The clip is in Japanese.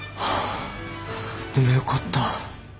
ハァでもよかった。